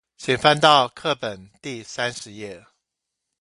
請翻到課本第三十頁